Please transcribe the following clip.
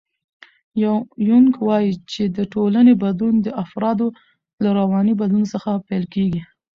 یونګ وایي چې د ټولنې بدلون د افرادو له رواني بدلون څخه پیل کېږي.